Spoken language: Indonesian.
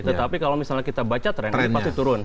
tetapi kalau misalnya kita baca tren ini pasti turun